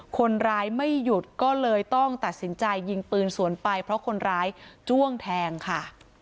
คนร้ายไม่หยุดก็เลยต้องตัดสินใจยิงปืนสวนไปเพราะคนร้ายจ้วงแทงค่ะ